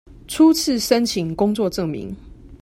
初次申請工作證明